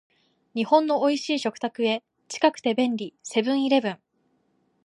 日本の美味しい食卓へ、近くて便利、セブンイレブン